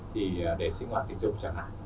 thì để sinh hoạt tình dục chẳng hạn